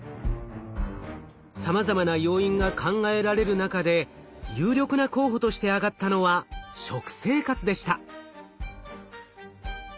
さまざまな要因が考えられる中で有力な候補として挙がったのは食生活でした。